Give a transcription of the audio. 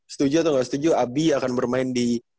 setuju atau nggak setuju abi akan bermain di